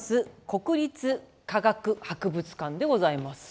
国立科学博物館でございます。